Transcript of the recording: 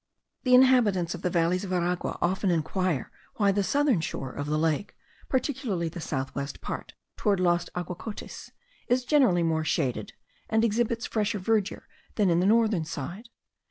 The inhabitants of the valleys of Aragua often inquire why the southern shore of the lake, particularly the south west part towards los Aguacotis, is generally more shaded, and exhibits fresher verdure than the northern side.